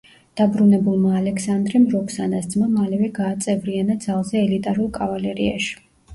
დაბრუნებულმა ალექსანდრემ როქსანას ძმა მალევე გააწევრიანა ძალზე ელიტარულ კავალერიაში.